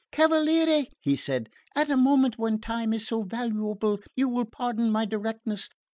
"Cavaliere," he said, "at a moment when time is so valuable you will pardon my directness.